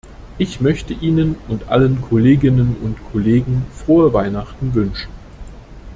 Ich möchte Ihnen und allen Kolleginnen und Kollegen frohe Weihnachten wünschen.